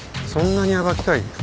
そんなに暴きたい？